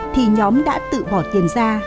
thì nhóm đã tự bỏ tiền ra